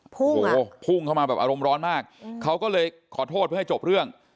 โอ้โหพุ่งเข้ามาแบบอารมณ์ร้อนมากเขาก็เลยขอโทษเพื่อให้จบเรื่อง